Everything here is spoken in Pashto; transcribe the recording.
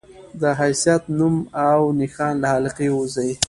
د حيثيت، نوم او نښان له حلقې ووځي